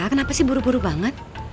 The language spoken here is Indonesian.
kenapa sih buru buru banget